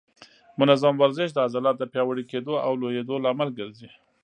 منظم ورزش د عضلاتو د پیاوړي کېدو او لویېدو لامل ګرځي.